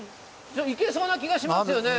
いけそうな気がしますよね。